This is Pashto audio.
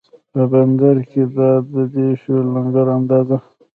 په بندر کې دا دی شو لنګر اندازه